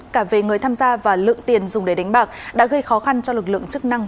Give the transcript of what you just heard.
cả về người tham gia và lượng tiền dùng để đánh bạc đã gây khó khăn cho lực lượng chức năng